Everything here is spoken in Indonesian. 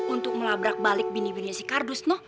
untuk melabrak balik bini bininya si kardus noh